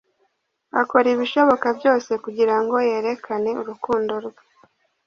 Akora ibishoboka byose kugira ngo yerekane urukundo rwe